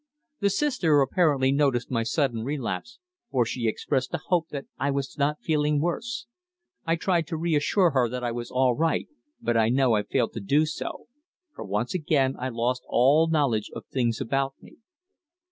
The Sister apparently noticed my sudden relapse, for she expressed a hope that I was not feeling worse. I tried to reassure her that I was all right, but I know I failed to do so, for once again I lost all knowledge of things about me.